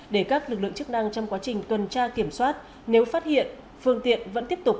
để các lực lượng chức năng trong quá trình cân tra kiểm soát nếu phát hiện phương tiện vẫn tiếp tục